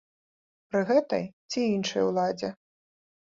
Пры гэтай ці іншай уладзе.